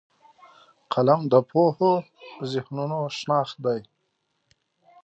قلم د پوهو ذهنونو شناخت دی